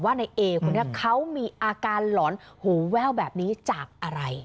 ในเอคนนี้เขามีอาการหลอนหูแว่วแบบนี้จากอะไร